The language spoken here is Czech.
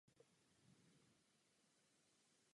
Z tohoto důvodu máme v úmyslu tento návrh Komise odmítnout.